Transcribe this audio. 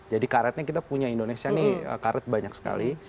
jadi karetnya kita punya indonesia nih karet banyak sekali